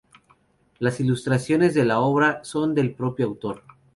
Las ilustraciones de la obra son del propio autor.